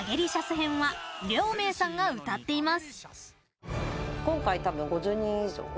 編はりょーめーさんが歌っています。